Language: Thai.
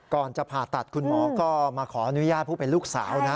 ก่อนจะผ่าตัดคุณหมอก็มาขออนุญาตผู้เป็นลูกสาวนะ